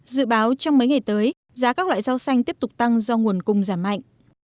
dự báo trong mấy ngày tới giá các loại rau xanh tiếp tục tăng do nguồn cung giảm mạnh